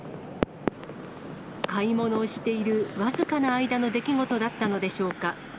買い物をしている僅かな間の出来事だったのでしょうか。